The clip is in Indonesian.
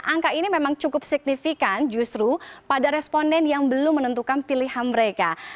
angka ini memang cukup signifikan justru pada responden yang belum menentukan pilihan mereka